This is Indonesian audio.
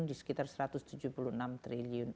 di sekitar satu ratus tujuh puluh enam triliun